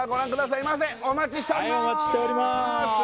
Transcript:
はいお待ちしております